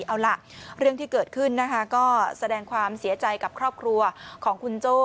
เอาล่ะเรื่องที่เกิดขึ้นนะคะก็แสดงความเสียใจกับครอบครัวของคุณโจ้